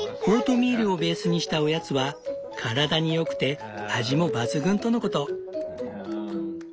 オートミールをベースにしたおやつは体に良くて味も抜群とのこと。